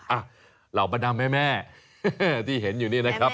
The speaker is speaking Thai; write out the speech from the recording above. อ่ะเรามานำแม่ที่เห็นอยู่นี่นะครับ